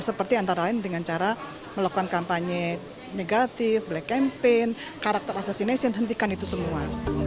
seperti antara lain dengan cara melakukan kampanye negatif black campaign karakter assastination hentikan itu semua